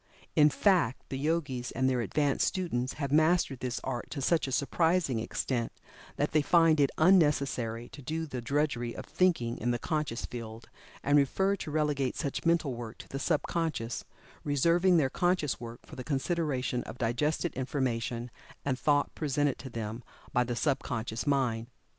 In fact, the Yogis, and their advanced students have mastered this art to such a surprising extent that they find it unnecessary to do the drudgery of thinking in the conscious field, and prefer to relegate such mental work to the sub conscious, reserving their conscious work for the consideration of digested information and thought presented to them by the sub conscious mind.